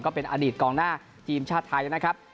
ก็เป็นอดีตกองหน้าทีมชาติไทยนะครับ